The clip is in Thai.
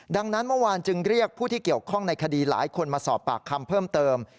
ดังนั้นเมื่อวานจึงเรียกผู้ที่เกี่ยวข้องในคดีหลายคนมาสอบปากคำเพิ่มเติม